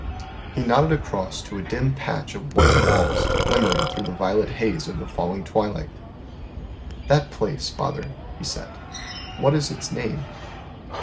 He nodded across to a dim patch of white walls glimmering through the violet haze of the falling twilight. "That place, father," He said, "what is its name?"